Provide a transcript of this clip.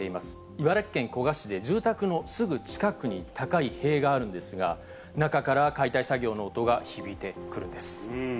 茨城県古河市で、住宅のすぐ近くに高い塀があるんですが、中から解体作業の音が響いてくるんです。